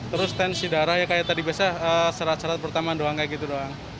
terus tensi darah ya kayak tadi biasa syarat syarat pertama doang kayak gitu doang